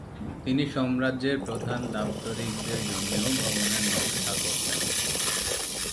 তিনি সাম্রাজ্যের প্রধান দাপ্তরিকদের জন্যেও ভবনের নকশা করতেন।